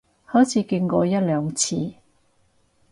好似見過一兩次